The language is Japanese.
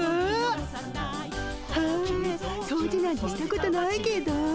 はあ掃除なんてしたことないけど。